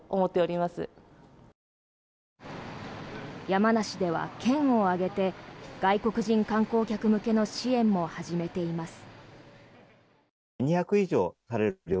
山梨では県を挙げて外国人観光客向けの支援も始めています。